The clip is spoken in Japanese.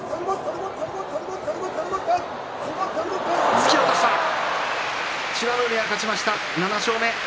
突き落とした美ノ海、勝ちました、７勝目。